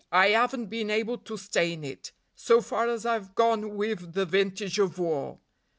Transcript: I 'aven't been able to stain it, So far as I've gone wiv the vintage of war.